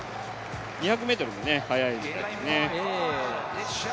２００ｍも速い選手ですね。